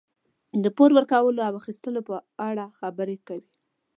د پور ورکولو او اخیستلو په اړه خبرې کوي.